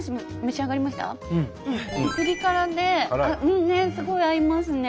ピリ辛ですごい合いますね。